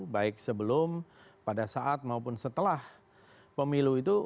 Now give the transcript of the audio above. baik sebelum pada saat maupun setelah pemilu itu